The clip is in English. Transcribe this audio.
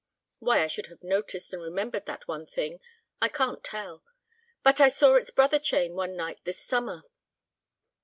Why I should have noticed and remembered that one thing I can't tell. But I saw its brother chain one night this summer."